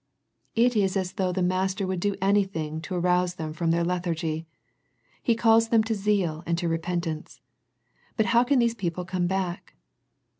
It is as though the Master would do anything to arouse them from their lethargy. He calls them to zeal and to repentance. But how can these people come back?